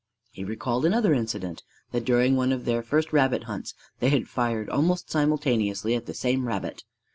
He recalled another incident: that during one of their first rabbit hunts they had fired almost simultaneously at the same rabbit.